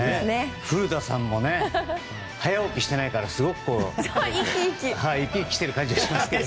古田さんもね早起きしてないからすごく生き生きしてる感じがしますけど。